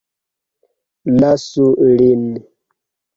Lasu lin!